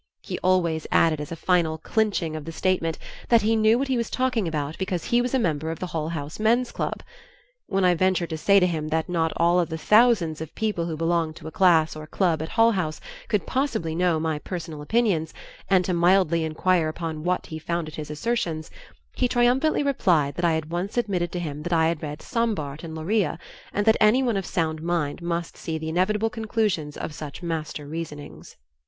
He always added as a final clinching of the statement that he knew what he was talking about because he was a member of the Hull House Men's Club. When I ventured to say to him that not all of the thousands of people who belong to a class or club at Hull House could possibly know my personal opinions, and to mildly inquire upon what he founded his assertions, he triumphantly replied that I had once admitted to him that I had read Sombart and Loria, and that anyone of sound mind must see the inevitable conclusions of such master reasonings.